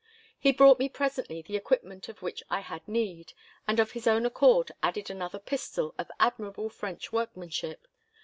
He brought me presently the equipment of which I had need, and of his own accord added another pistol of admirable French workmanship.